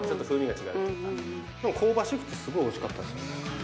でも香ばしくてすごいおいしかったですね。